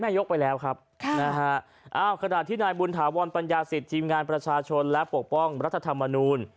นายกไปแล้วครับนะฮะอ้าวขณะที่นายบุญถาวรปัญญาศิษย์ทีมงานประชาชนและปกป้องรัฐธรรมนูล